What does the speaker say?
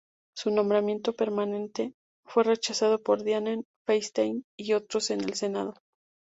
Su nombramiento permanente fue rechazado por Dianne Feinstein y otros en el Senado.